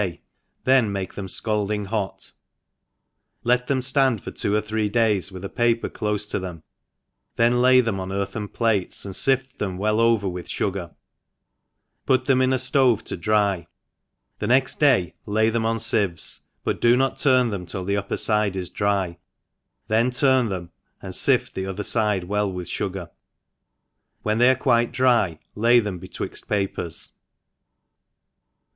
day, then make them fcalding hot, let them (land for two or three days, with a paper clofe to them, then lay them on earthen plates, and lift them well over with fugar, put them in a ftove to dry, the next dgy lay them on ficvcs, but do not turn them till the upper fide is dry, then turn them, and iift the other fide well with fugar \ when they arc quite dry, lay them be twixt papers.